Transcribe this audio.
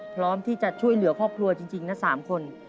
พร้อมที่จะช่วยเหลือครอบครัวจริงนะ๓คน